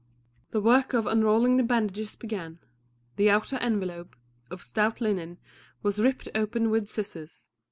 The work of unrolling the bandages began; the outer envelope, of stout linen, was ripped open with scissors.